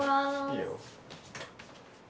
いいよ。